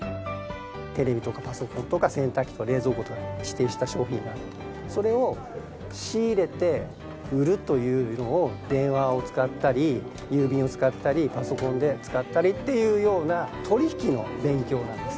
テレビとかパソコンとか洗濯機とか冷蔵庫とか指定した商品それを仕入れて売るというのを電話を使ったり郵便を使ったりパソコンで使ったりっていうような取引の勉強なんですね。